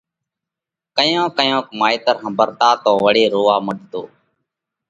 ڪيونڪ ڪيونڪ مائيتر ۿمڀرتا تو وۯي رووا مڏتو